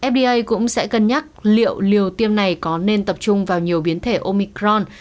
fda cũng sẽ cân nhắc liệu liều tiêm này có nên tập trung vào nhiều biến thể omicron